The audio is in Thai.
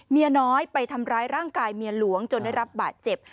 เมียน้อยไปทำร้ายร่างกายเมียหลวงจนได้รับบาดเจ็บ